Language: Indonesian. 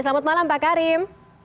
selamat malam pak karim